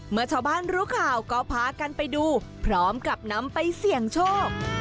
เมื่อชาวบ้านรู้ข่าวก็พากันไปดูพร้อมกับนำไปเสี่ยงโชค